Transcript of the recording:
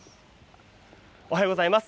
おはようございます。